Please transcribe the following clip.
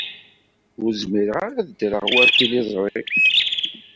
Ur zmireɣ ara ad ddreɣ war tiliẓri.